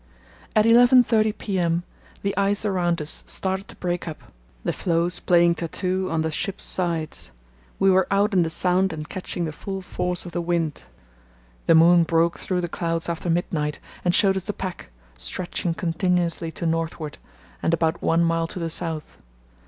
At 11.30 p.m. the ice around us started to break up, the floes playing tattoo on the ship's sides. We were out in the Sound and catching the full force of the wind. The moon broke through the clouds after midnight and showed us the pack, stretching continuously to northward, and about one mile to the south.